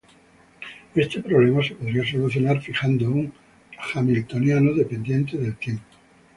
Este problema se podría solucionar fijando un hamiltoniano dependiente del tiempo.